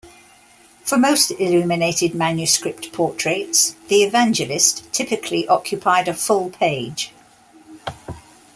For most illuminated manuscript portraits, the Evangelist typically occupied a full page.